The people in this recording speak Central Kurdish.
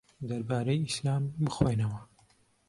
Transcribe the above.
دەربارەی ئیسلام بخوێنەوە.